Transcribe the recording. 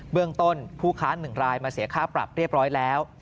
เรื่องต้นผู้ค้า๑รายมาเสียค่าปรับเรียบร้อยแล้ว